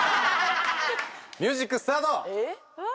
ミュージックスタート！